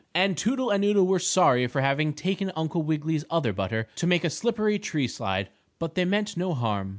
And Toodle and Noodle were sorry for having taken Uncle Wiggily's other butter to make a slippery tree slide, but they meant no harm.